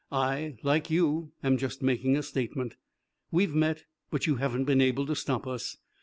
I, like you, am just making a statement." "We've met, but you haven't been able to stop us."